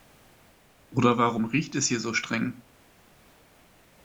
Oder warum riecht es hier so streng?